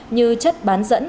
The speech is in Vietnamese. như chất bán dẫn